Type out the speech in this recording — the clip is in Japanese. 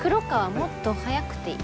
もっと速くていい。